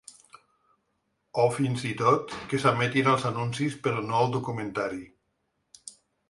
O, fins i tot, que s’emetien els anuncis però no el documentari.